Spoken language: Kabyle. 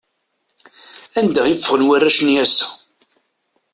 Anda i ffɣen warrac-nni ass-a?